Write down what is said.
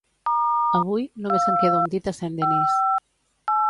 Avui, només en queda un dit a Saint-Denis.